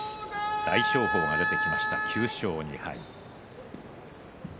大翔鵬が出てきました、９勝２敗。